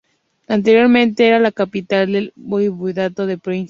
Anteriormente era la capital del voivodato de Przemyśl.